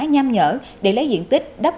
nhăm nhở để lấy diện tích đắp